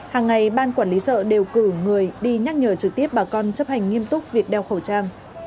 hàng ngày ban quản lý chợ đều cử người đi nhắc nhở trực tiếp bà con chấp hành nghiêm túc việc đeo khẩu trang